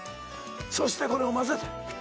そしてこれを混ぜる